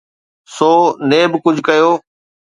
سو NAB ڪجهه ڪيو.